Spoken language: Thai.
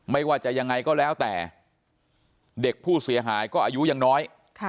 ไม่ว่าจะยังไงก็แล้วแต่เด็กผู้เสียหายก็อายุยังน้อย